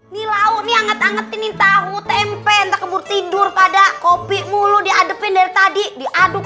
nih lauk nih anget angetin tahu tempen tak kembur tidur pada kopi mulu diadepin dari tadi diaduk